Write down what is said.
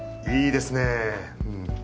いいですねうん。